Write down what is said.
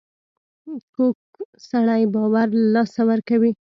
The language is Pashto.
کوږ سړی باور له لاسه ورکوي